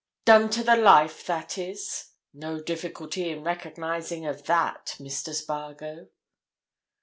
"Done to the life, that is. No difficulty in recognizing of that, Mr. Spargo."